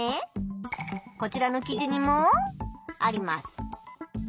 こちらの記事にもあります。